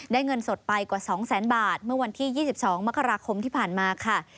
เงินสดไปกว่า๒แสนบาทเมื่อวันที่๒๒มกราคมที่ผ่านมาค่ะ